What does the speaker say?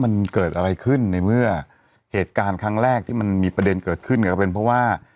มันเกิดอะไรขึ้นในเมื่อเหตุการณ์ครั้งแรกที่มันมีประเด็นเกิดขึ้นก็เป็นเพราะว่า